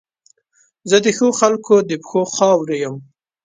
زه د ښو خلګو د پښو خاورې یم.